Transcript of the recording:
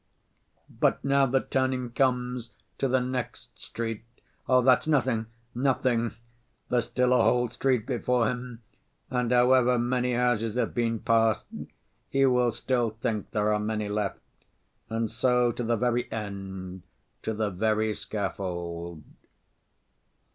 But now the turning comes to the next street. Oh, that's nothing, nothing, there's still a whole street before him, and however many houses have been passed, he will still think there are many left. And so to the very end, to the very scaffold.